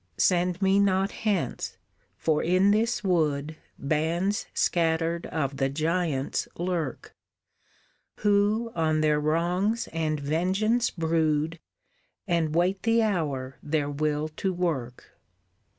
Send me not hence, for in this wood Bands scattered of the giants lurk, Who on their wrongs and vengeance brood, And wait the hour their will to work."